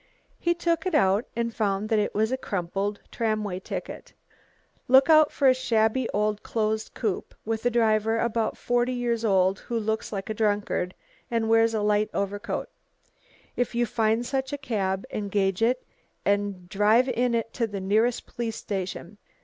He took it out and found that it was a crumpled tramway ticket. "Look out for a shabby old closed coupe, with a driver about forty years old who looks like a drunkard and wears a light overcoat. If you find such a cab, engage it and drive in it to the nearest police station.